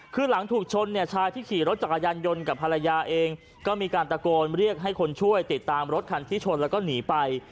คือหลังถูกชนเนี่ยชายที่ขี่รถจักรยานยนต์กับภรรยาเองก็มีการตะโกนเรียกให้คนช่วยติดตามรถคันที่ชนแล้วก็หนีไป